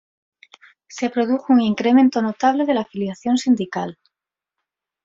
Se produjo un incremento notable de la afiliación sindical.